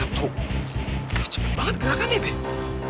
cepet banget gerakan be